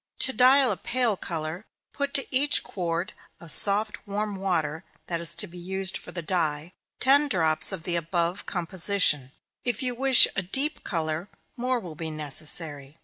To dye a pale color, put to each quart of soft warm water that is to be used for the dye, ten drops of the above composition if you wish a deep color, more will be necessary.